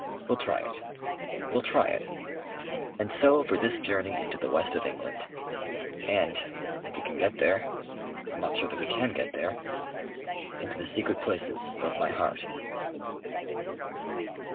We'll try it. We'll try it.... And so for this journey into the west of England.... And if we can get there I'm not sure that we can get there into the secret places of my heart."